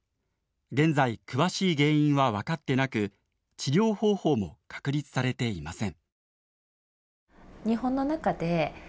現在詳しい原因は分かってなく治療方法も確立されていません。